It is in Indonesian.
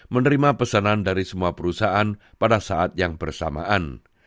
menerima pesanan dari semua perusahaan pada saat yang bersamaan